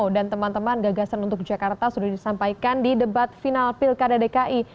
dan teman teman gagasan untuk jakarta sudah disampaikan di debat final pilkada dki